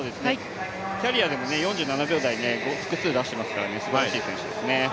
キャリアでも４７秒台、複数出していますのですばらしい選手ですね。